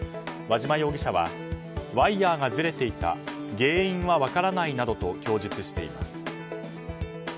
和嶋容疑者はワイヤがずれていた原因は分からないなどと供述しています。